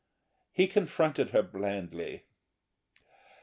He confronted her blandly.